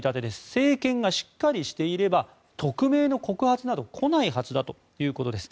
政権がしっかりしていれば匿名の告発など来ないはずだということです。